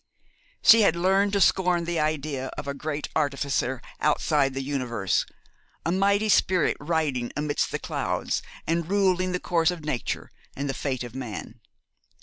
She had learned to scorn the idea of a great Artificer outside the universe, a mighty spirit riding amidst the clouds, and ruling the course of nature and the fate of man.